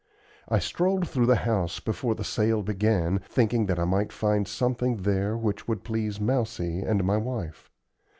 I strolled through the house before the sale began, thinking that I might find something there which would please Mousie and my wife.